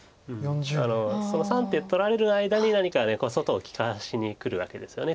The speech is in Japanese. その３手取られる間に何か外を利かしにくるわけですよね